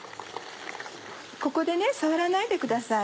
ここで触らないでください。